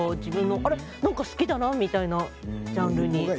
なんか好きだなみたいなジャンルに。